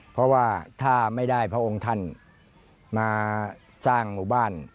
เพราะว่าถ้าไม่ได้พระองค์ท่านมาสร้างหมู่บ้าน